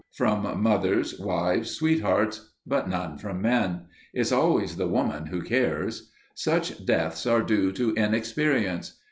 From mothers, wives, sweethearts—but none from men. It's always the woman who cares. Such deaths are due to inexperience.